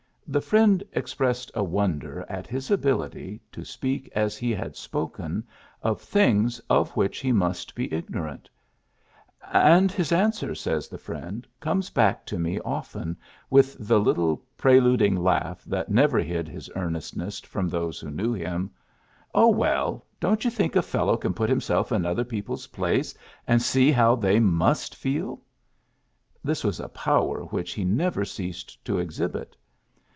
The friend expressed a wonder at his ability to speak as he had spoken of things of which he must be igno rant J '^and his answer," says the friend, ^^ comes back to me often with the little preluding laugh that never hid his ear nestness from those who knew him, ^Oh, well, don't you think a fellow can put himself in other people's place, and see how they must feel!' " This was a power which he never ceased to exhibit.